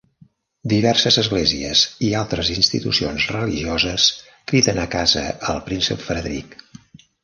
Diverses esglésies i altres institucions religioses criden a casa al príncep Frederic.